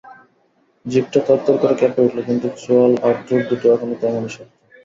জিভটা থরথর করে কেঁপে উঠল, কিন্তু চোয়াল আর ঠোঁটদুটো এখনো তেমনি শক্ত।